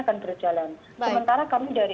akan berjalan sementara kami dari